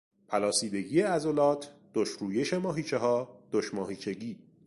پلاسیدگی عضلات، دشرویش ماهیچهها، دشماهیچگی